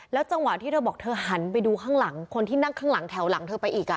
จังหวะที่เธอบอกเธอหันไปดูข้างหลังคนที่นั่งข้างหลังแถวหลังเธอไปอีก